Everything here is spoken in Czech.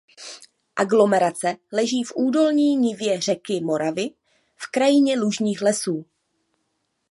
Aglomerace leží v údolní nivě řeky Moravy v krajině lužních lesů.